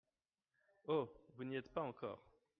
Oh ! vous n’y êtes pas encore !